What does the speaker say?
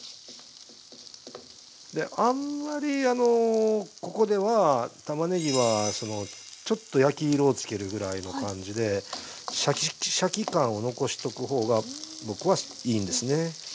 であんまりここではたまねぎはちょっと焼き色を付けるぐらいの感じでシャキシャキ感を残しとく方が僕はいいんですね。